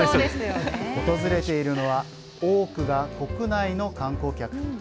訪れているのは、多くが国内の観光客。